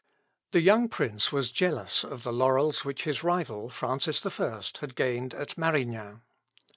The young prince was jealous of the laurels which his rival, Francis I, had gained at Marignan.